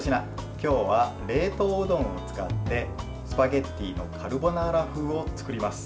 今日は冷凍うどんを使ってスパゲッティのカルボナーラ風を作ります。